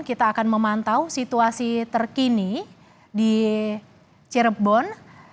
kita akan memantau situasi terkini di cirebon